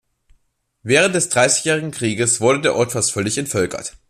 Während des Dreißigjährigen Krieges wurde der Ort fast völlig entvölkert.